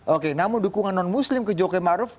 oke namun dukungan non muslim ke jokowi maruf